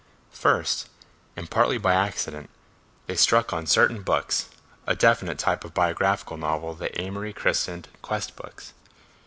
First, and partly by accident, they struck on certain books, a definite type of biographical novel that Amory christened "quest" books.